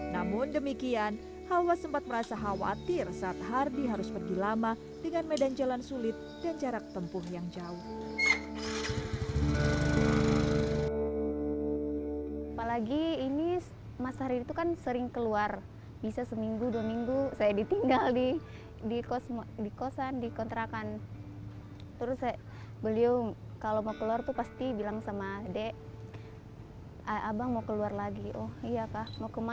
namun demikian halwa sempat merasa khawatir saat hardy harus pergi lama dengan medan jalan sulit dan jarak tempuh yang jauh